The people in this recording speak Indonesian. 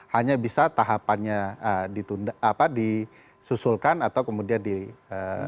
hanya bisa tahapannya disusulkan atau kemudian diberikan